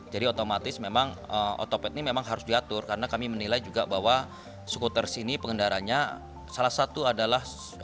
jadi otomatis memang otopet ini harus diatur karena kami menilai juga bahwa skuter ini pengendaranya salah satu adalah